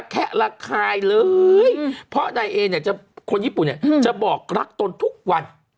แคะระคายเลยเพราะนายเอเนี่ยคนญี่ปุ่นเนี่ยจะบอกรักตนทุกวัน